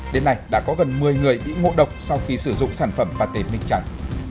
đến nay đã có gần một mươi người bị ngộ độc sau khi sử dụng sản phẩm pate minh chan